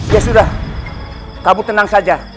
ya sudah kamu tenang saja